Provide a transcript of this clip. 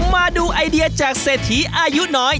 มาดูไอเดียจากเศรษฐีอายุน้อย